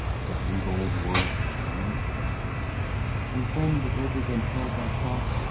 But leave old worlds behind ?" And when the rivers and hills are crost, Oh